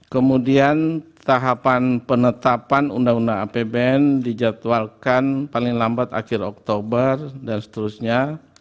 kemudian tahapan penetapan undang undang apbn dijadwalkan paling lambat akhir oktober dan seterusnya